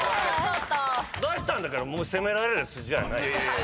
出したんだからもう責められる筋合いないよ。